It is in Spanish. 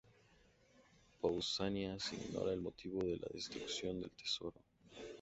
Pausanias ignora el motivo de la destrucción del Tesoro.